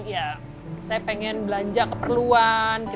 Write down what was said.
ya saya pengen belanja keperluan